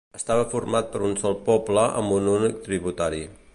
Estava format per un sol poble amb un únic tributari.